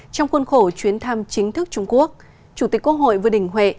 trong khuôn khổ chuyến thăm chính thức trung quốc chủ tịch quốc hội vương đình huệ